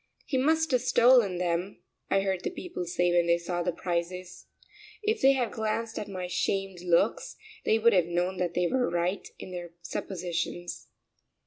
"He must have stolen them," I heard the people say when they saw the prices. If they had glanced at my shamed looks, they would have known that they were right in their suppositions.